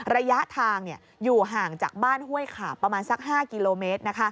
ระยะทางอยู่ห่างจากบ้านห้วยขาบประมาณสัก๕กิโลเมตร